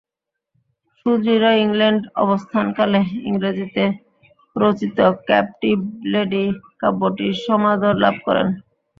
সুদূর ইংল্যান্ডে অবস্থানকালে ইংরেজিতে রচিত ক্যাপটিভ লেডি কাব্যটি সমাদর লাভ করেনি।